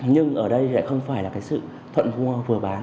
nhưng ở đây lại không phải là sự thuận vua vừa bán